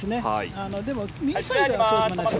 でも、右サイドはそうでもないです。